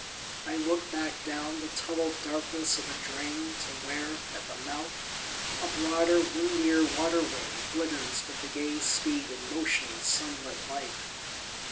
... I look back down the tunnelled darkness of a drain to where, at the mouth, a broader, windier water way glitters with the gay speed and motion of sunlit life.